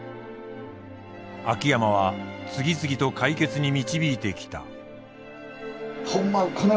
秋山は次々と解決に導いてきた。